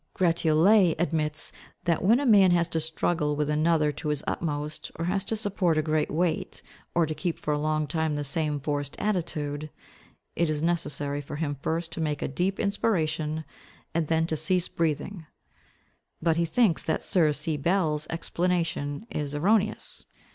Gratiolet admits that when a man has to struggle with another to his utmost, or has to support a great weight, or to keep for a long time the same forced attitude, it is necessary for him first to make a deep inspiration, and then to cease breathing; but he thinks that Sir C. Bell's explanation is erroneous.